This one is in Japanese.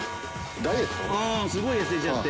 すごい痩せちゃって。